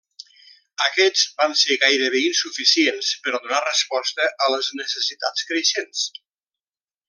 Aquests van ser gairebé insuficients per donar resposta a les necessitats creixents.